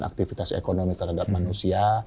aktivitas ekonomi terhadap manusia